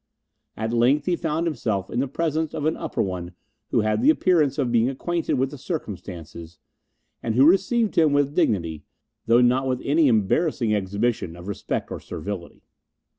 At length he found himself in the presence of an upper one who had the appearance of being acquainted with the circumstances, and who received him with dignity, though not with any embarrassing exhibition of respect or servility.